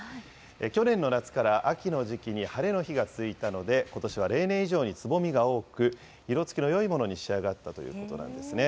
去年の夏から秋の時期に晴れの日が続いたので、ことしは例年以上につぼみが多く、色つきのよいものに仕上がったということなんですね。